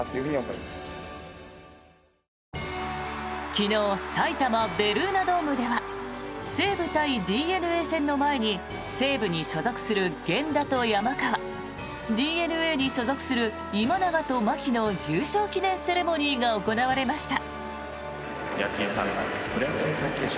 昨日埼玉・ベルーナドームでは西武対ＤｅＮＡ戦の前に西武に所属する源田と山川ＤｅＮＡに所属する今永と牧の優勝記念セレモニーが行われました。